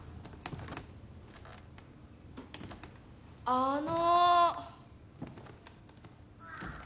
あの。